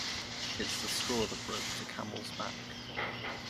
It's the straw that broke the camels back.